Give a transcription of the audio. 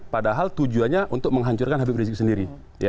padahal tujuannya untuk menghancurkan habib rizik sendiri